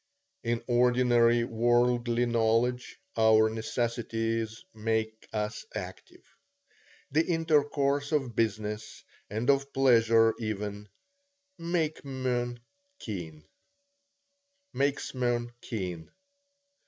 In ordinary worldly knowledge, our necessities make us active. The intercourse of business, and of pleasure even, makes men keen.